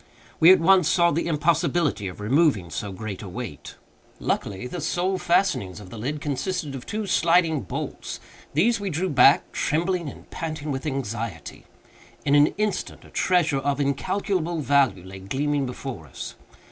We at once saw the impossibility of removing so great a weight. Luckily, the sole fastenings of the lid consisted of two sliding bolts. These we drew back—trembling and panting with anxiety. In an instant, a treasure of incalculable value lay gleaming before us.